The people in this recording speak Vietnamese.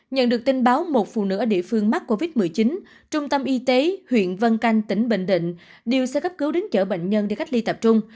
nhận được tin báo một phụ nữ ở địa phương mắc covid một mươi chín trung tâm y tế huyện vân canh tỉnh bình định điều xe cấp cứu đến chở bệnh nhân đi cách ly tập trung